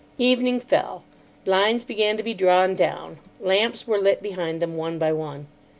Evening fell. Blinds began to be drawn down. Lamps were lit behind them, one by one.